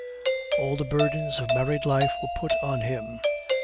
All the burdens of married life were put on him.